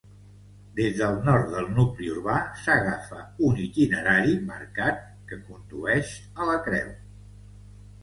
Des del nord del nucli urbà s'agafa un itinerari marcat que condueix a la creu.